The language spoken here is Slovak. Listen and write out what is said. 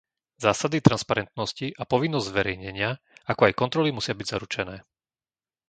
Zásady transparentnosti a povinnosť zverejnenia, ako aj kontroly musia byť zaručené.